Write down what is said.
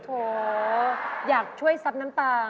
โถอยากช่วยซับน้ำตา